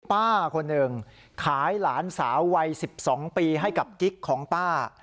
ป้าคนหนึ่งขายหลานสาววัย๑๒ปีให้กับกิ๊กของป้า